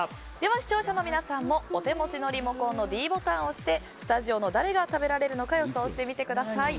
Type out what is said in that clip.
視聴者の皆さんもお手持ちのリモコンのｄボタンを押してスタジオの誰が食べられるのか予想してみてください。